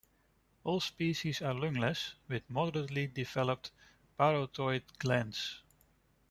All species are lungless with moderately developed parotoid glands.